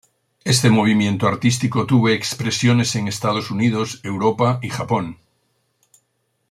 Este movimiento artístico tuvo expresiones en Estados Unidos, Europa y Japón.